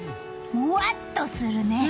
むわっとするね。